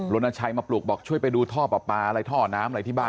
รณชัยมาปลุกบอกช่วยไปดูท่อปลาปลาอะไรท่อน้ำอะไรที่บ้าน